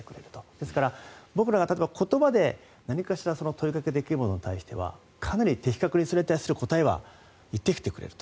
ですから、僕らが例えば、言葉で何かしら問いかけできるものに対してはかなり的確にそれに対する答えは持ってきてくれると。